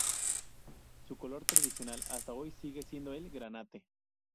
Su color tradicional hasta hoy sigue siendo el granate.